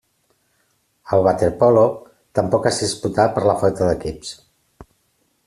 El waterpolo tampoc es disputà per la falta d'equips.